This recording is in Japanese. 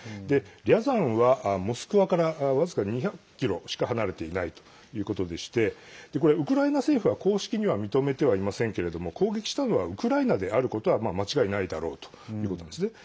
リャザンはモスクワから僅か２００ｋｍしか離れていないということでしてウクライナ政府は公式には認めてはいませんけれども攻撃したのはウクライナであることは間違いないだろうということですね。